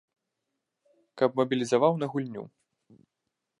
Каб мабілізаваў на гульню.